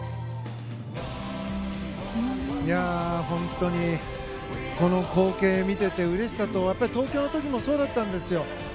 本当にこの光景を見ていてうれしさと東京の時もそうだったんですよ。